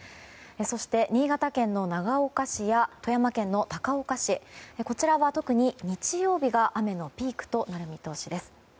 そして、新潟県の長岡市や富山県の高岡市こちらは特に日曜日が雨のピークとなる見通しです。